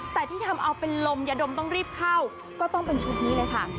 แต่ที่ทำเอาเป็นลมอย่าดมต้องรีบเข้าก็ต้องเป็นชุดนี้เลยค่ะ